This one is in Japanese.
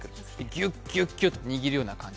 ぎゅっぎゅっと握るような感じ。